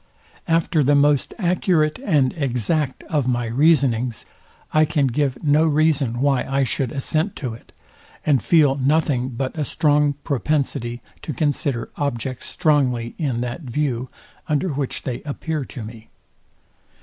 After the most accurate and exact of my reasonings, I can give no reason why I should assent to it; and feel nothing but a strong propensity to consider objects strongly in that view, under which they appear to me.